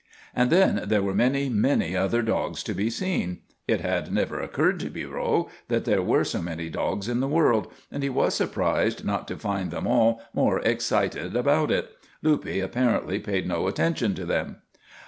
And then there were many, many other dogs to be seen. It had never occurred to Pierrot that there were so many dogs in the world, and he was surprised not to find them all more excited about it. Luppe apparently paid no attention to them.